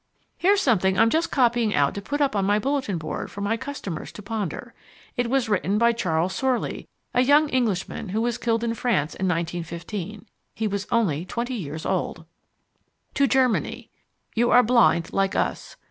Here's something I'm just copying out to put up on my bulletin board for my customers to ponder. It was written by Charles Sorley, a young Englishman who was killed in France in 1915. He was only twenty years old TO GERMANY You are blind like us.